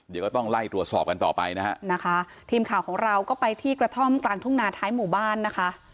เดี๋ยวก็ต้องไล่ตรวจสอบกันต่อไปนะฮะนะคะทีมข่าวของเราก็ไปที่กระท่อมกลางทุ่งนาท้ายหมู่บ้านนะคะ